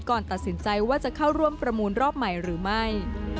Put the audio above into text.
ก่อนตัดสินใจว่าจะเข้าร่วมประมูลรอบใหม่หรือไม่